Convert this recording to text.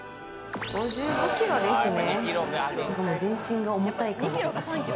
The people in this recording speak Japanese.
５５キロですね。